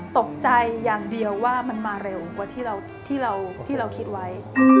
ตกใจอย่างเดียวว่ามันมาเร็วกว่าที่เราคิดไว้